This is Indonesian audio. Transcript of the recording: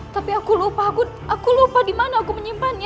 tapi aku lupa aku lupa di mana aku menyimpannya